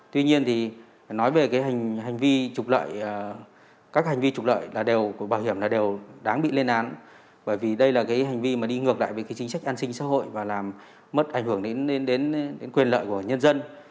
tuy nhiên thì nói về cái hành vi trục lợi các hành vi trục lợi là đều của bảo hiểm là đều đáng bị lên án bởi vì đây là cái hành vi mà đi ngược lại với cái chính sách an sinh xã hội và làm mất ảnh hưởng đến quyền lợi của nhân dân